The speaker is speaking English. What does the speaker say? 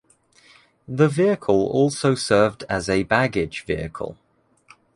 The vehicle also served as a baggage vehicle.